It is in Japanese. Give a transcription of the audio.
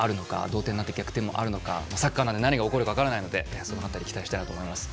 同点になって逆転もあるのかサッカーなので、何が起きるか分からないので期待したいと思います。